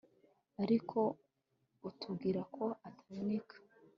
ariko utubwira ko ataboneka